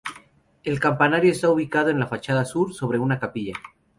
El campanario está ubicado en la fachada sur, sobre una capilla.